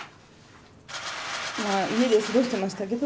家で過ごしてましたけど、